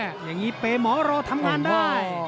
อย่างนี้เปย์หมอรอทำงานได้